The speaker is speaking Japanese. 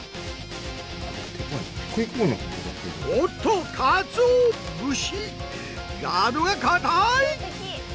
おっとカツオ節ガードがかたい！